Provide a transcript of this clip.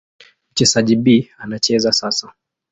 Mchezaji B anacheza sasa.